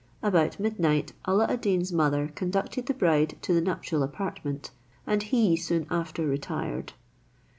About midnight Alla ad Deen's mother conducted the bride to the nuptial apartment, and he soon after retired.